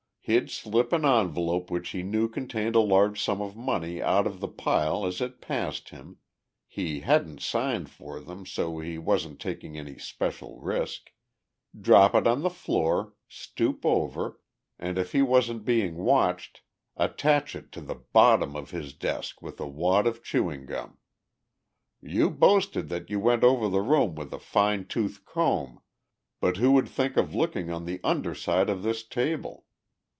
He'd slip an envelope which he knew contained a large sum of money out of the pile as it passed him he hadn't signed for them, so he wasn't taking any special risk drop it on the floor, stoop over, and, if he wasn't being watched, attach it to the bottom of his desk with a wad of chewing gum. You boasted that you went over the room with a fine tooth comb, but who would think of looking on the under side of this table.